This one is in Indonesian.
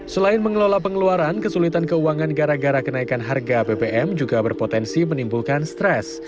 selain mengelola pengeluaran kesulitan keuangan gara gara kenaikan harga bbm juga berpotensi menimbulkan stres